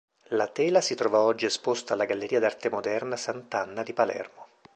La tela si trova oggi esposta alla Galleria d'arte moderna Sant'Anna di Palermo.